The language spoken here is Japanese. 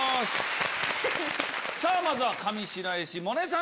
まずは上白石萌音さん